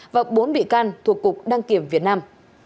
và bốn bị can thuộc cục đăng kiểm việt nam